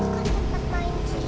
itu kan tempat main cerita